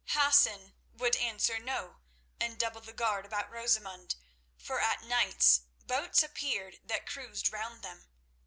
Hassan would answer no, and double the guard about Rosamund, for at nights boats appeared that cruised round them.